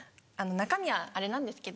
中身はあれなんです？